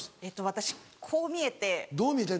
私こう見えて。